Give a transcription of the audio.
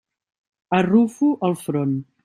Arrufo el front.